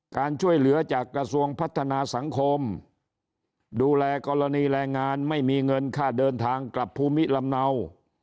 การช่วยเหลือจากกระทรวงพัฒนาสังคมดูแลกรณีแรงงานไม่มีเงินค่าเดินทางกลับภูมิลำเนา